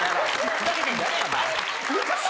ふざけてんじゃねえお前。